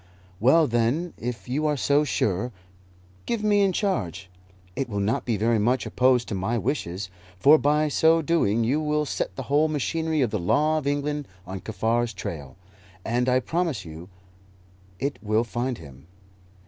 "Well, then, if you are so sure, give me in charge. It will not be very much opposed to my wishes, for by so doing you will set the whole machinery of the law of England on Kaffar's trail, and I promise you it will find him.